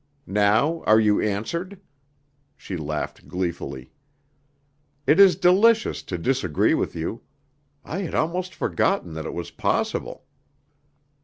Now are you answered?" She laughed gleefully. "It is delicious to disagree with you. I had almost forgotten that it was possible."